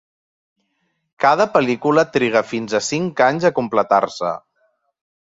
Cada pel·lícula triga fins a cinc anys a completar-se.